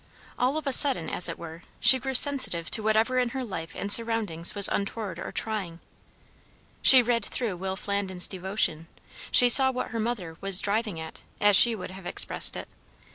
All of a sudden, as it were, she grew sensitive to whatever in her life and surroundings was untoward or trying. She read through Will Flandin's devotion; she saw what her mother was "driving at," as she would have expressed it.